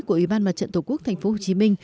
của ủy ban mặt trận tổ quốc tp hcm